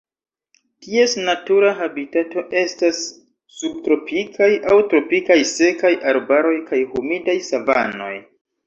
Ties natura habitato estas subtropikaj aŭ tropikaj sekaj arbaroj kaj humidaj savanoj.